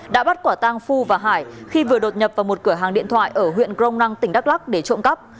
đã bắt quả tang phu và hải khi vừa đột nhập vào một cửa hàng điện thoại ở huyện crom năng tỉnh đắk lắc để trộm cắp